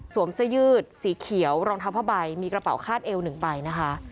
เสื้อยืดสีเขียวรองเท้าผ้าใบมีกระเป๋าคาดเอว๑ใบนะคะ